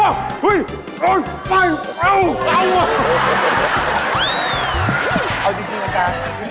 เอาจริงอากาศจริงตัวน่ะ